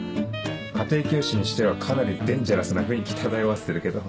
家庭教師にしてはかなりデンジャラスな雰囲気漂わせてるけど。